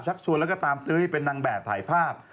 ชักชวนแล้วก็ตามตื้อให้เป็นนางแบบถ่ายภาพ